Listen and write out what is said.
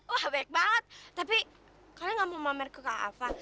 wah banyak banget tapi kalian gak mau pamer ke kak alva